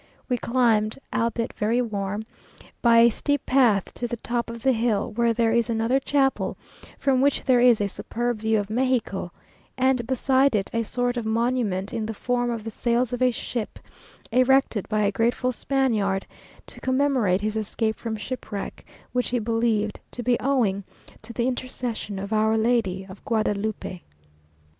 We climbed (albeit very warm) by a steep path to the top of the hill, where there is another chapel, from which there is a superb view of Mexico; and beside it, a sort of monument in the form of the sails of a ship, erected by a grateful Spaniard, to commemorate his escape from shipwreck, which he believed to be owing to the intercession of Our Lady of Guadalupe.